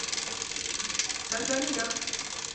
Jambo ambalo hufanya jua lisionekane katika eneo hilo